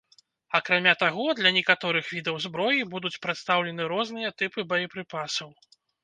Акрамя таго, для некаторых відаў зброі будуць прадстаўлены розныя тыпы боепрыпасаў.